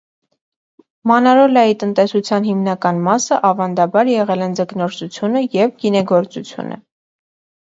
Մանարոլայի տնտեսության հիմնական մասը ավանդաբար եղել են ձկնորսությունը և գինեգործությունը։